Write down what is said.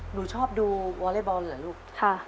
หนูชอบดูวอเล็กบอลเหรอลูก